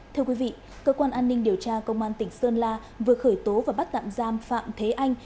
thưa quý vị cơ quan an ninh điều tra công an tỉnh sơn la vừa khởi tố và bắt tạm giam phạm thế anh